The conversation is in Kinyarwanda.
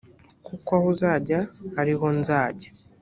kuko aho uzajya ari ho nzajya